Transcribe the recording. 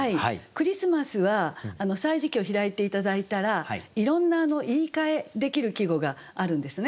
クリスマスは「歳時記」を開いて頂いたらいろんな言い換えできる季語があるんですね。